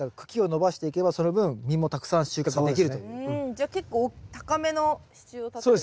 じゃあ結構高めの支柱を立てるんですか？